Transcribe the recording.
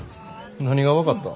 何が分かった？